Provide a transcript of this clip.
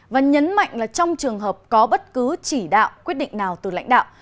và nhấn mạnh là trong trường hợp có bất cứ chỉ đạo quyết định nào từ lãnh đạo